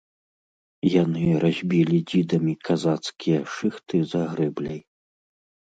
Яны разбілі дзідамі казацкія шыхты за грэбляй.